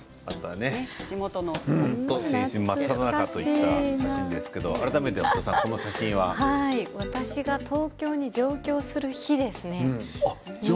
青春真っただ中というお写真ですけど私が東京に上京する日ですね。